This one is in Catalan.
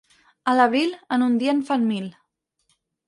A l'abril, en un dia en fan mil.